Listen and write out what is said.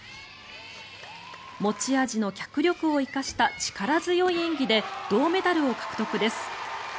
持ち味の脚力を生かした力強い演技で銅メダルを獲得です。